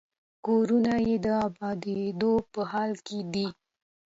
کورونه یې د ابادېدو په حال کې دي.